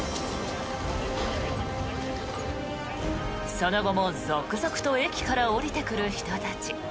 その後も続々と駅から降りてくる人たち。